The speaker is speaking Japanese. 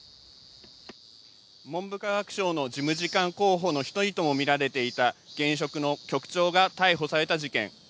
文部科学省の事務次官候補の１人とも見られていた現職の局長が逮捕された事件。